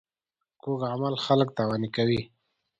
کوږ عمل خلک تاواني کوي